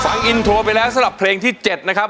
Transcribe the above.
ฟังอินโทรไปแล้วสำหรับเพลงที่๗นะครับ